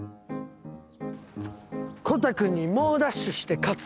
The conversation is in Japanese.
コタくんに猛ダッシュして勝つ。